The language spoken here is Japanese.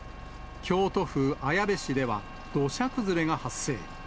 京都府綾部市では、土砂崩れが発生。